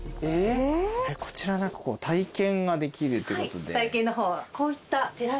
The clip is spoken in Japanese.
こちらで体験ができるということで。